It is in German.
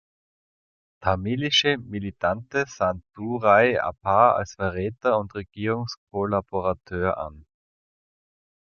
Tamilische Militante sahen Duraiappah als Verräter und Regierungskollaborateur an.